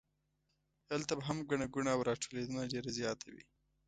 هلته به هم ګڼه ګوڼه او راټولېدنه ډېره زیاته وي.